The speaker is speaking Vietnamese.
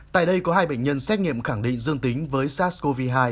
tại đây có hai bệnh nhân xét nghiệm khẳng định dương tính với sars cov hai